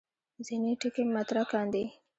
ځینې ټکي مطرح کاندي.